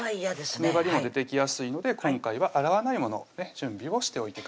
粘りも出てきやすいので今回は洗わないものを準備をしておいてください